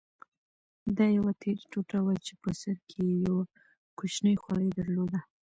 دا یوه تېره ټوټه وه چې په سر کې یې یو کوچنی خولۍ درلوده.